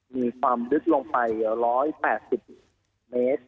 มีความลึกลงไป๑๘๐เมตร